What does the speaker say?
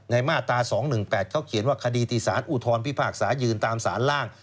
มาตรา๒๑๘เขาเขียนว่าคดีที่สารอุทธรพิพากษายืนตามสารล่าง